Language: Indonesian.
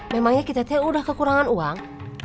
memangnya kita tuh udah kekurangan uang